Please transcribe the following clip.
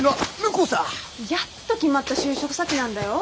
やっと決まった就職先なんだよ？